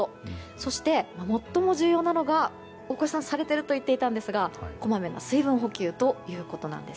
そして、最も重要なのが大越さん、されていると言っていたんですがこまめな水分補給ということです。